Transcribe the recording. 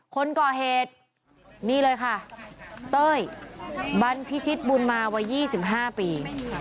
คนก่อเหตุนี่เลยค่ะเต้ยบรรพิชิตบุญมาวัยยี่สิบห้าปี